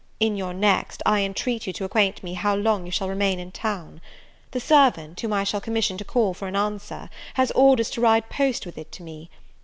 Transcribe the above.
In your next I intreat you to acquaint me how long you shall remain in town. The servant, whom I shall commission to call for an answer, has orders to ride post with it to me.